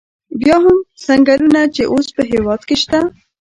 بیا هم څنګلونه چې اوس په هېواد کې شته.